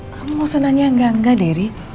kamu mau senangnya enggak enggak dery